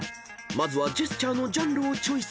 ［まずはジェスチャーのジャンルをチョイス］